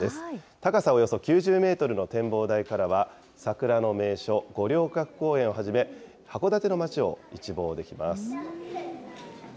高さおよそ９０メートルの展望台からは、桜の名所、五稜郭公園をはじめ、函館の街を一望できます。